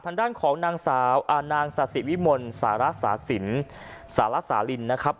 ทางด้านของนางสาวนางสาธิวิมลสารสาสินสารสาลินนะครับ